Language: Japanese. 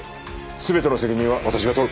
全ての責任は私が取る。